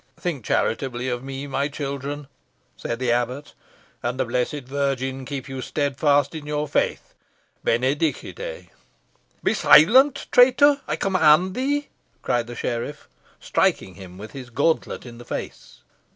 "Think charitably of me, my children," said the abbot; "and the blessed Virgin keep you steadfast in your faith. Benedicite!" "Be silent, traitor, I command thee," cried the sheriff, striking him with his gauntlet in the face.